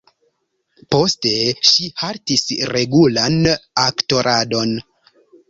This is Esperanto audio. Poste, ŝi haltis regulan aktoradon.